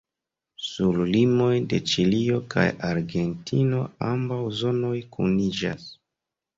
Sur limoj de Ĉilio kaj Argentino ambaŭ zonoj kuniĝas.